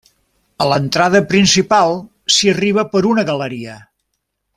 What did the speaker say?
A l'entrada principal s'hi arriba per una galeria.